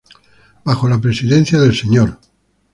Bajo la presidencia del Sr.